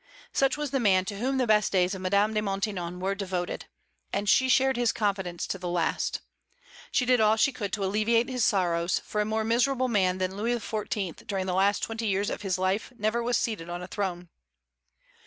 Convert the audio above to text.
Such was the man to whom the best days of Madame de Maintenon were devoted; and she shared his confidence to the last. She did all she could to alleviate his sorrows, for a more miserable man than Louis XIV. during the last twenty years of his life never was seated on a throne.